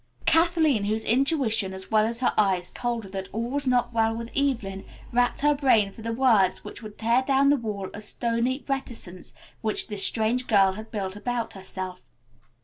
Kathleen, whose intuition as well as her eyes told her that all was not well with Evelyn, racked her brain for the words which would tear down the wall of stony reticence which this strange girl had built about herself.